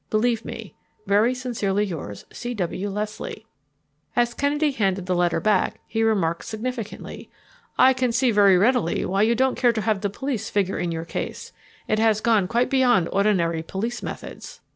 Believe me, "Very sincerely yours, "C. W. LESLIE." As Kennedy handed the letter back, he remarked significantly: "I can see very readily why you don't care to have the police figure in your case. It has got quite beyond ordinary police methods."